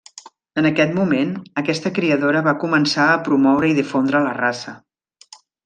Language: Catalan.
En aquest moment, aquesta criadora va començar a promoure i difondre la raça.